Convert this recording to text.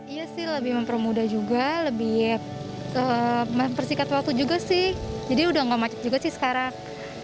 iya sih lebih mempermudah juga lebih mempersikat waktu juga sih jadi udah gak macet juga sih sekarang